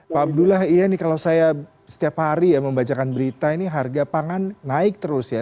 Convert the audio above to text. pak abdullah iya nih kalau saya setiap hari ya membacakan berita ini harga pangan naik terus ya